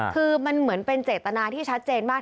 คือมันเหมือนเป็นเจตนาที่ชัดเจนมาก